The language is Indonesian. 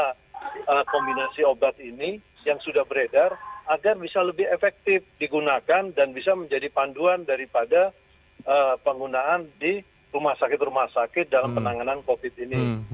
karena obat obat kombinasi obat ini yang sudah beredar agar bisa lebih efektif digunakan dan bisa menjadi panduan daripada penggunaan di rumah sakit rumah sakit dalam penanganan covid ini